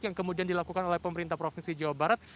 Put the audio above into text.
yang kemudian dilakukan oleh pemerintah provinsi jawa barat